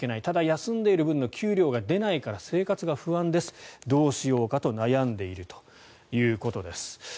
ただ、休んでいる分の給料が出ないから生活が不安ですどうしようかと悩んでいるということです。